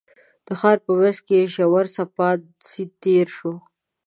د ښار په منځ کې یې ژور څپاند سیند تېر شوی.